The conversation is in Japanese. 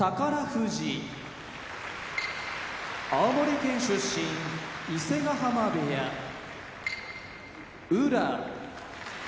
富士青森県出身伊勢ヶ濱部屋宇良